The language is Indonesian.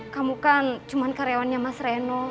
kamu kan cuma karyawannya mas reno